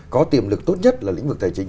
có tiềm lực tốt nhất là lĩnh vực tài chính